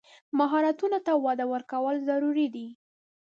مهارتونو ته وده ورکول ضروري دي.